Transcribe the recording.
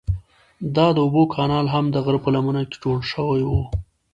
دا د اوبو کانال هم د غره په لمنه کې جوړ شوی و.